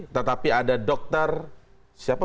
tetapi ada dokter siapa